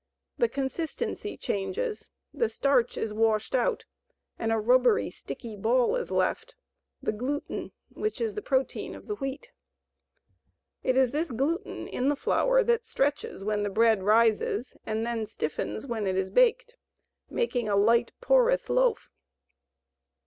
The consistency changes, the starch is washed out and a rubbery, sticky ball is left the gluten, which is the protein of the wheat. It is this gluten in the flour that stretches when bread rises and then stiffens when it is baked, making a light, porous loaf.